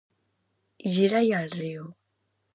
Gira-hi el riu.